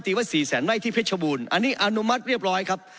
ว่าสี่แสนไร่ที่เพชรบูรณ์อันนี้อนุมัติเรียบร้อยครับ